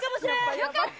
分かった。